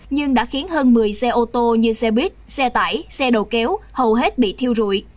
nhưng đã khiến hơn một mươi xe ô tô như xe buýt xe tải xe đồ kéo hầu hết bị thiêu rụi